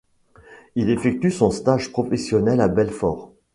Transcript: Il effectue son stage professionnel à Belfort.